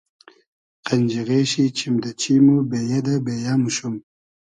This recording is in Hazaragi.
قئنجیغې شی چیم دۂ چیم و بېیۂ دۂ بېیۂ موشوم